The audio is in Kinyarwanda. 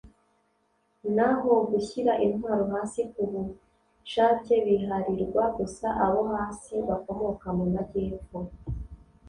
naho gushyira intwaro hasi ku bushake biharirwa gusa abo hasi [bakomoka mu majyepfo]”